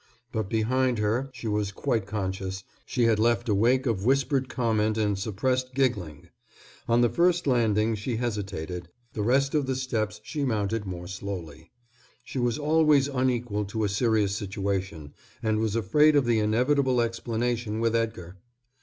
But behind her, she was quite conscious, she had left a wake of whispered comment and suppressed giggling. On the first landing she hesitated, the rest of the steps she mounted more slowly. She was always unequal to a serious situation and was afraid of the inevitable explanation with Edgar.